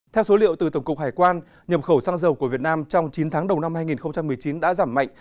theo số liệu từ tổng cục hải quan nhập khẩu xăng dầu của việt nam trong chín tháng đầu năm hai nghìn một mươi chín đã giảm mạnh